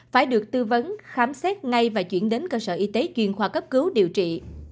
phải được tư vấn khám xét ngay và chuyển đến cơ sở y tế chuyên khoa cấp cứu điều trị